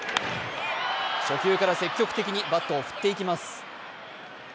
初球から積極的にバットを振っていきます。